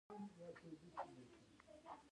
سمندر نه شتون د افغانستان د طبیعت برخه ده.